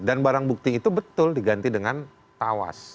dan barang bukti itu betul diganti dengan tawas